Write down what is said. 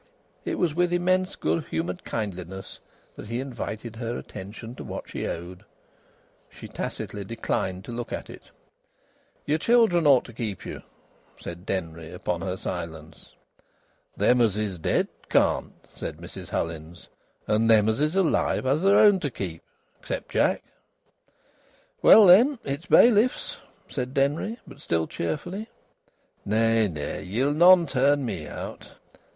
It was with immense good humoured kindliness that he invited her attention to what she owed. She tacitly declined to look at it. "Your children ought to keep you," said Denry, upon her silence. "Them as is dead, can't," said Mrs Hullins, "and them as is alive has their own to keep, except Jack." "Well, then, it's bailiffs," said Denry, but still cheerfully. "Nay, nay! Ye'll none turn me out."